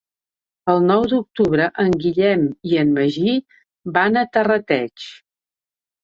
El nou d'octubre en Guillem i en Magí van a Terrateig.